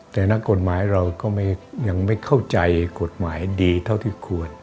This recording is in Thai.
แต่นักกฎหมายเราก็ยังไม่เข้าใจกฎหมายดีเท่าที่ควร